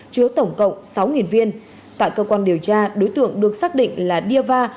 chứa tổng cộng sáu viên tại cơ quan điều tra đối tượng được xác định là đia va